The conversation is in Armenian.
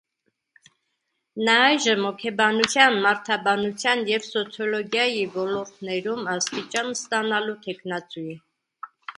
Նա այժմ հոգեբանության, մարդաբանության և սոցիոլոգիայի ոլորտներում աստիճան ստանալու թեկնածու է։